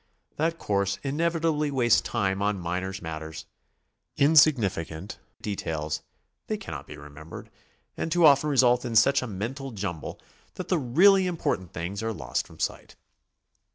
That course inevitably wastes time on minor mat ters, insignificant details; they cannot be remembered, and too often result in such a mental jumble that the really im SOMEWHAT LITERARY. 249 portant things are lost from sight.